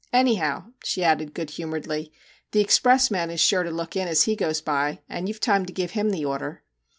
' Anyhow,' she added good humouredly, ' the express man is sure to look in as he goes by, and you 've time to give him the order.'